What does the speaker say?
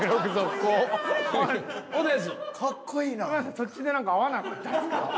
そっちでなんか会わなかったですか？